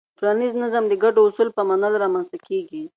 ټولنیز نظم د ګډو اصولو په منلو رامنځته کېږي.